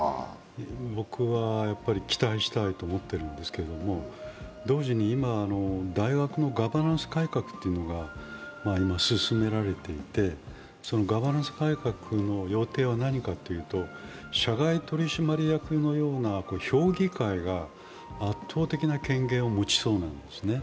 僕は期待したいと思ってるんですけれども、同時に、大学のガバナンス改革というのが今、進められていてガバナンス改革の要点は何かというと、社外取締役のような評議会が圧倒的な権限を持ちそうなんですね。